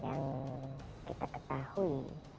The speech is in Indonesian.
yang kita ketahui